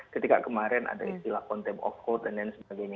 ketika kemarin ada istilah konteks of code dan sebagainya